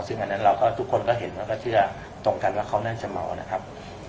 ซึ่งอันนั้นเราก็ทุกคนก็เห็นแล้วก็เชื่อตรงกันว่าเขาน่าจะเมานะครับ